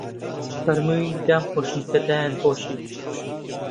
فەرمووی: دام پۆشن، کە دایان پۆشی